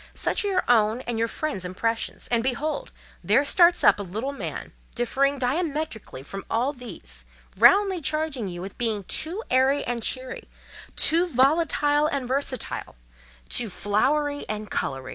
Such are your own and your friends' impressions; and behold! there starts up a little man, differing diametrically from all these, roundly charging you with being too airy and cheery—too volatile and versatile—too flowery and coloury.